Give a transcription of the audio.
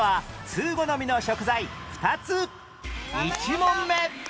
１問目